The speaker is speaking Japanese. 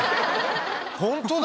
ホントだ！